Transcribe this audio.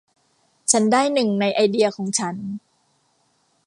ฉันได้หนึ่งในไอเดียของฉัน